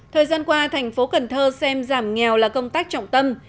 thời gian qua thành phố cần thơ xem giảm nghèo là công tác trọng tâm